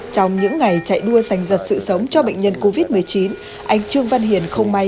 trong những ngày chạy đua dành giật sự sống cho bệnh nhân covid một mươi chín anh trương văn hiền không may